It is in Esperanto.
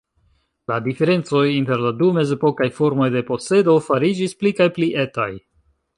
La diferencoj inter la du mezepokaj formoj de posedo fariĝis pli kaj pli etaj.